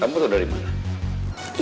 kamu tau dari mana